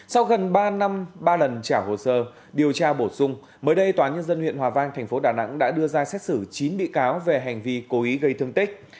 sau gần ba năm ba lần trả hồ sơ điều tra bổ sung mới đây tòa nhân dân huyện hòa vang thành phố đà nẵng đã đưa ra xét xử chín bị cáo về hành vi cố ý gây thương tích